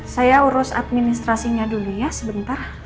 saya urus administrasinya dulu ya sebentar